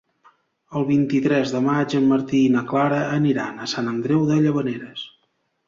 El vint-i-tres de maig en Martí i na Clara aniran a Sant Andreu de Llavaneres.